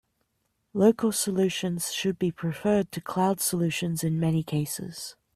Local solutions should be preferred to cloud solutions in many cases.